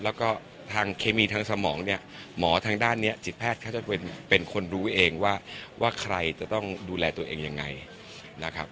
แล้วก็ทางเคมีทางสมองเนี่ยหมอทางด้านนี้จิตแพทย์เขาจะเป็นคนรู้เองว่าใครจะต้องดูแลตัวเองยังไงนะครับ